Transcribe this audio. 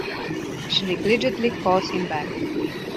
She negligently calls him back.